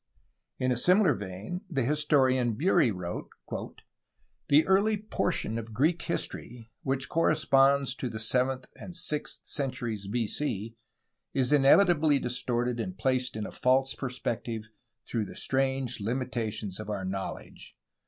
In a similar vein the historian Bury wrote: "The early portion of Greek history, which corresponds to the seventh and sixth centuries B. C, is inevitably distorted and placed in a false perspective through the strange limitations of our knowledge